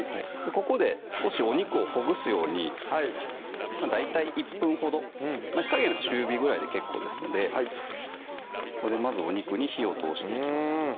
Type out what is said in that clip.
ここで少しお肉をほぐすように大体１分ほど火加減は中火ぐらいで結構ですのでここでまずお肉に火を通していきます